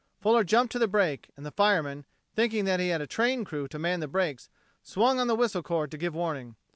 Fuller jumped to the brake; and the fireman, thinking that he had a train crew to man the brakes, swung on the whistle cord to give warning.